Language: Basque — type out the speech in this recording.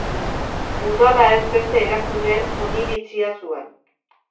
Udala ez beste erakundeen oniritzia zuen.